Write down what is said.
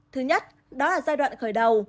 thứ nhất đó là giai đoạn khởi đầu